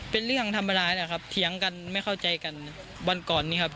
เป็นเรื่องธรรมดานะครับเถียงกันไม่เข้าใจกันวันก่อนนี้ครับ